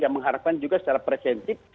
yang mengharapkan juga secara preventif